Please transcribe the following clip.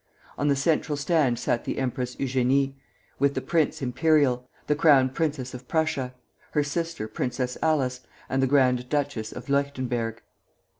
On the central stand sat the Empress Eugénie, with the Prince Imperial, the Crown Princess of Prussia, her sister, Princess Alice, and the Grand Duchess of Leuchtenberg.